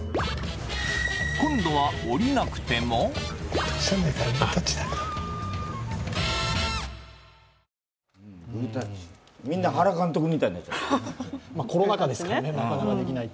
今度は降りなくてもみんな原監督みたいになっちゃって。